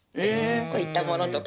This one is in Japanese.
こういったものとか。